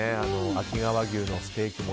秋川牛のステーキも。